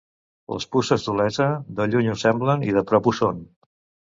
Les puces d'Olesa, de lluny ho semblen i de prop ho són.